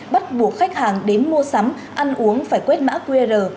bắt buộc khách hàng đến mua sắm ăn uống phải quét mã qr